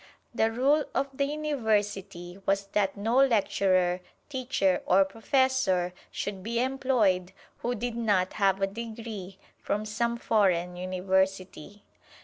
The rule of the University was that no lecturer, teacher or professor should be employed who did not have a degree from some foreign University.